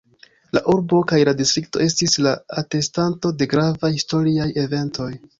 La urbo kaj la distrikto estis la atestanto de gravaj historiaj eventoj.